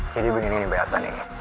jadi begini nih mbak elsa nih